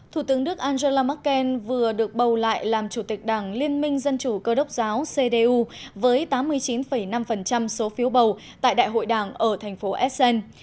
thủ tướng đức angela merkel vừa được bầu lại làm chủ tịch đảng liên minh dân chủ cơ đốc giáo cdu với tám mươi chín năm số phiếu bầu tại đại hội đảng ở thành phố essen